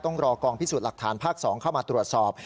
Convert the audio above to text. ต้องรอกองพิสูจน์หลักฐานภาค๒เข้ามาตรวจสอบ